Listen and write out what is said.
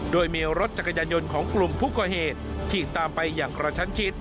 โดยมีรถจักรยานยนต์ของกลุ่มผู้ก่อเหตุขี่ตามไปอย่างกระชั้นชิด